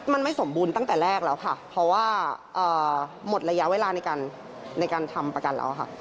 มันไม่สมบูรณ์ตั้งแต่แรกแล้วค่ะเพราะว่าหมดระยะเวลาในการทำประกันแล้วค่ะ